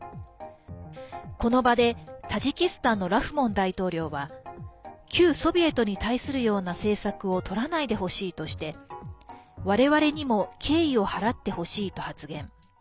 この場でタジキスタンのラフモン大統領は旧ソビエトに対するような政策をとらないでほしいとして我々にも敬意を払ってほしいと発言。